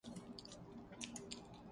ایک رجسٹر بھی رکھا تھا۔